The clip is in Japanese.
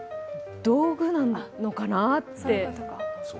道具なのかなぁって。